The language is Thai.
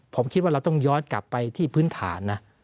ผมคิดว่าเราต้องย้อนกลับไปที่พื้นฐานนะ